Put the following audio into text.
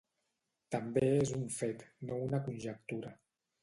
També és un fet, no una conjectura.